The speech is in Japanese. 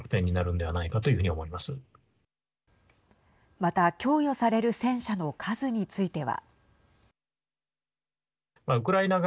また、供与される戦車の数については。